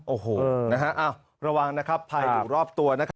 โอ้โหนะฮะอ้าวระวังนะครับภายถูกรอบตัวนะครับ